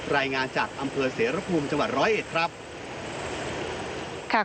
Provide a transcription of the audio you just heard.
รายงานจากอำเภอเสรภูมิจังหวัดร้อยเอ็ดครับ